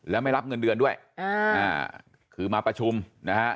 แล้วไม่รับเงินเดือนด้วยอ่าคือมาประชุมนะฮะ